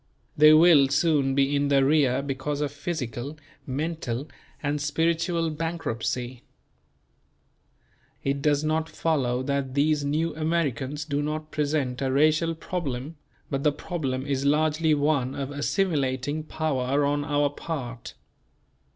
They will soon be in the rear because of physical, mental and spiritual bankruptcy. It does not follow that these New Americans do not present a racial problem; but the problem is largely one of assimilating power on our part.